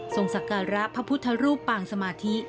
สักการะพระพุทธรูปปางสมาธิ